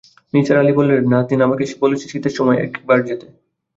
নিসার আলি বললেন, নাজনীন আমাকে বলেছে শীতের সময় একবার যেতে।